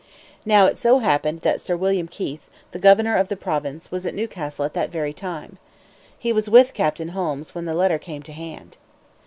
Now it so happened that Sir William Keith, the governor of the province, was at Newcastle at that very time. He was with Captain Holmes when the letter came to hand.